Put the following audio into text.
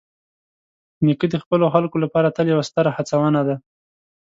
نیکه د خپلو خلکو لپاره تل یوه ستره هڅونه ده.